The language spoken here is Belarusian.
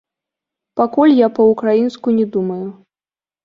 Пакуль я па-ўкраінску не думаю.